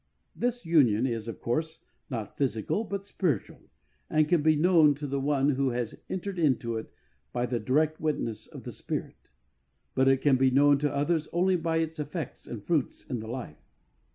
This union is, of course, not physical, but spiritual, and can be known to the one who has entered into it by the direct witness of the Spirit ; but it can be known to others only by its effects and fruits in the life.